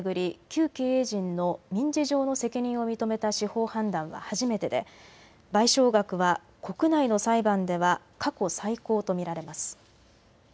旧経営陣の民事上の責任を認めた司法判断は初めてで賠償額は国内の裁判では過去最高と見られます。